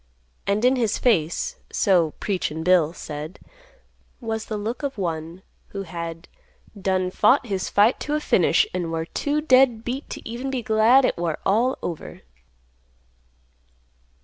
And in his face, so "Preachin' Bill" said, was the look of one who had "done fought his fight to a finish, an' war too dead beat t' even be glad it war all over."